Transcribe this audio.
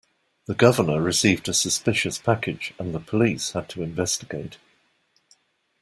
The governor received a suspicious package and the police had to investigate.